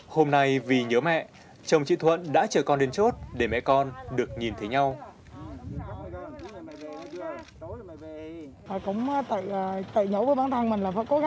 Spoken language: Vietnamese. hôm nay vì nhớ mẹ chồng chị thuận đã chở con đến chốt để mẹ con được nhìn thấy nhau